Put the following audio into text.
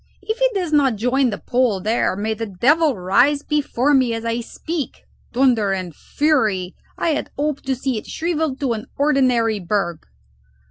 If it does not join the pole there, may the devil rise before me as I speak. Thunder and fury! I had hoped to see it shrivelled to an ordinary berg!"